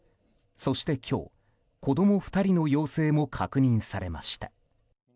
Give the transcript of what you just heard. そして今日、子供２人の陽性も確認されました。